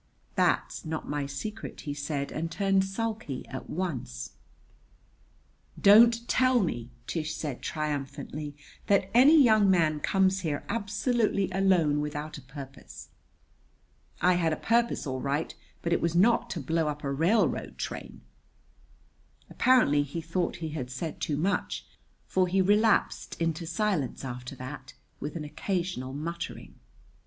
"That's not my secret," he said, and turned sulky at once. "Don't tell me," Tish said triumphantly, "that any young man comes here absolutely alone without a purpose!" "I had a purpose, all right; but it was not to blow up a railroad train." Apparently he thought he had said too much, for he relapsed into silence after that, with an occasional muttering.